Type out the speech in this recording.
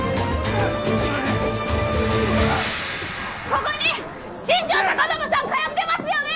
ここに新庄隆信さん通ってますよね！？